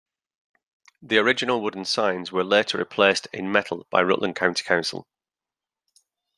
The original wooden signs were later replaced in metal by Rutland County Council.